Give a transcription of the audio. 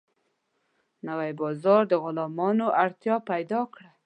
نوی بازار د غلامانو اړتیا پیدا کړه.